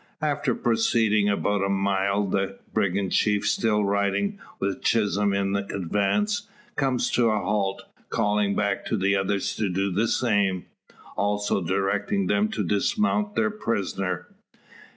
After proceeding about a mile, the brigand chief, still riding with Chisholm in the advance, comes to a halt, calling back to the others to do the same also directing them to dismount their prisoner.